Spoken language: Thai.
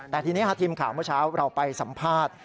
แต่ทีนี้ทีมข่าวเมื่อเช้าเราไปสัมภาษณ์